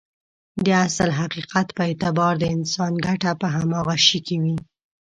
د اصل حقيقت په اعتبار د انسان ګټه په هماغه شي کې وي.